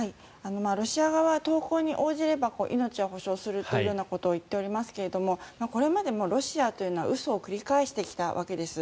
ロシア側は投降に応じれば命は保証するということを言っていますがこれまでもロシアは嘘を繰り返してきたわけです。